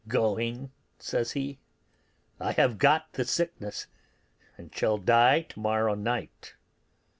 'Going,' says he; 'I have got the sickness, and shall die tomorrow night.